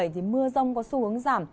thì mưa rông có xu hướng giảm